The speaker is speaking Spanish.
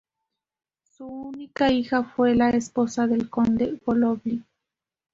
Su única hija fue la esposa del Conde Golovkin.